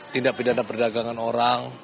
tindak pidana perdagangan orang